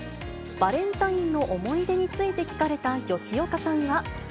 バレンタインの思い出について聞かれた吉岡さんは。